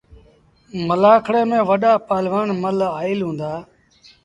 ملآکڙي ميݩ وڏآ پهلوآن مله آئيٚل هُݩدآ۔